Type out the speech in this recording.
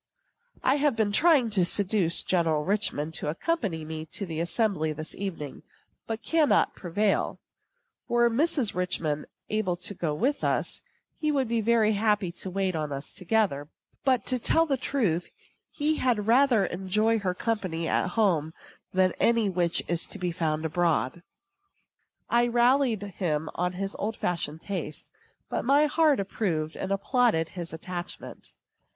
I have been trying to seduce General Richman to accompany me to the assembly this evening, but cannot prevail. Were Mrs. Richman able to go with us, he would be very happy to wait on us together; but, to tell the truth, he had rather enjoy her company at home than any which is to be found abroad. I rallied him on his old fashioned taste, but my heart approved and applauded his attachment.